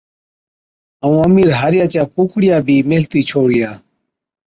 ائُون امِير هارِيا چِيا ڪُوڪڙِيا بِي ميهلتِي ڇوڙلِيا۔